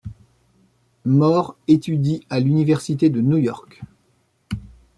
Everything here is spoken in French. Mort étudie à l'Université de New York.